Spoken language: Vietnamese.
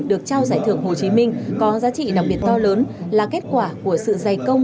được trao giải thưởng hồ chí minh có giá trị đặc biệt to lớn là kết quả của sự dày công